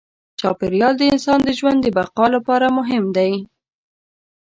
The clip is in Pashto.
چاپېریال د انسان د ژوند د بقا لپاره مهم دی.